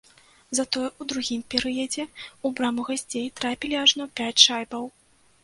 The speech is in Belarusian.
Затое ў другім перыядзе ў браму гасцей трапілі ажно пяць шайбаў.